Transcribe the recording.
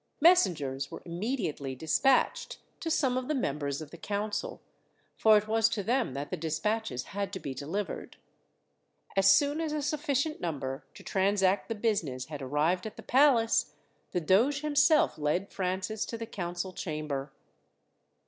Messengers were immediately despatched to some of the members of the council, for it was to them that the despatches had to be delivered. As soon as a sufficient number to transact the business had arrived at the palace, the doge himself led Francis to the council chamber.